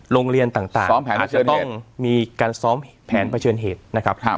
โรงเรียนต่างซ้อมแผนที่จะต้องมีการซ้อมแผนเผชิญเหตุนะครับ